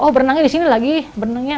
oh berenangnya di sini lagi benangnya